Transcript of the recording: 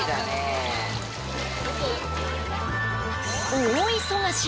大忙し！